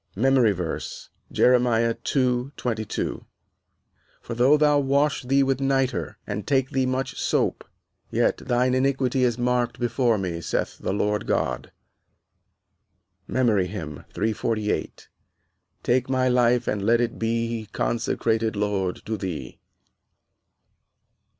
MEMORY VERSE, Jeremiah 2: 22 "For though thou wash thee with nitre, and take thee much sope, yet thine iniquity is marked before me, saith the Lord God." MEMORY HYMN _"Take my life and let it be Consecrated, Lord, to thee."